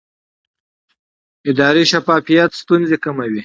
اداري شفافیت ستونزې کموي